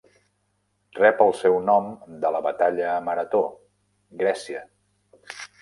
Rep el seu nom de la batalla a Marató, Grècia.